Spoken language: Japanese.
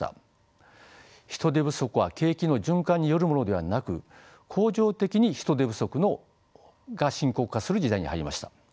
人手不足は景気の循環によるものではなく恒常的に人手不足が深刻化する時代に入りました。